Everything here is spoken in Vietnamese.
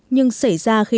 nhưng xảy ra khi nạn nhiễm